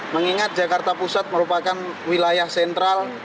mengingat jakarta pusat merupakan wilayah sentral